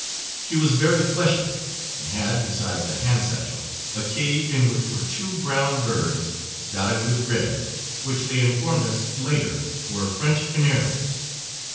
She was very fleshy, and had, besides a hand sachel, a cage in which were two brown birds dotted with red, which they informed us later were French canaries.